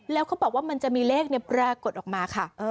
แล้วเขาบอกว่ามันจะมีเลขปรากฏออกมาค่ะ